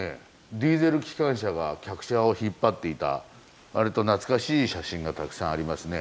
ディーゼル機関車が客車を引っ張っていたわりと懐かしい写真がたくさんありますね。